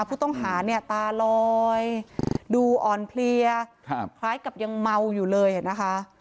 ผู้ต้องหาเนี่ยตาลอยดูอ่อนเพลียคล้ายกับยังเมาอยู่เลยนะคะ